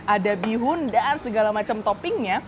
ada bihun dan segala macam toppingnya